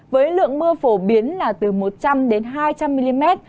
với lượng mưa phổ biến là từ một trăm linh hai trăm linh mm